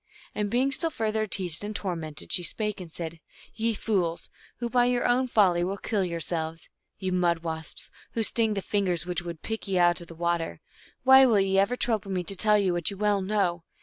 And being still further teased and tormented, she spake and said, " Ye fools, who by your own folly will kill yourselves ; ye mud wasps, who sting the fingers which would pick ye out of the water, why will ye ever trouble me to tell you what you well know